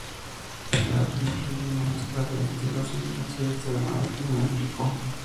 El álbum incluye una mezcla de estilos, y en una entrevista, De Martino explicó:.